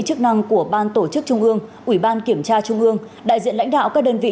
chức năng của ban tổ chức trung ương ủy ban kiểm tra trung ương đại diện lãnh đạo các đơn vị